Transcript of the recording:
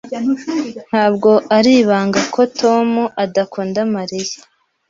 Ntabwo ari ibanga ko Tom adakunda Mariya.